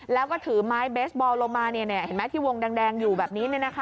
แล้วก็ถือไม้เบสบอลลงมาเห็นไหมที่วงแดงอยู่แบบนี้